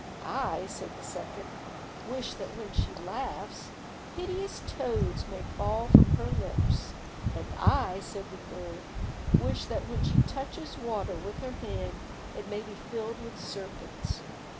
"I," said the second, "wish that when she laughs, hideous toads may fall from her lips." "And I," said the third, "wish that when she touches water with her hand it may be filled with serpents."